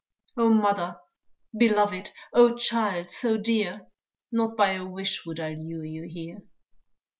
Oh, mother, beloved, oh, child so dear, Not by a wish, would I lure you here.